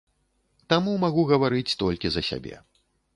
Таму магу гаварыць толькі за сябе.